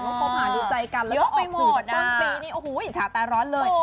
แล้วเขาพาดูใจกันแล้วก็ออกสื่อตอนปีนี้อีชาแต่ร้อนเลย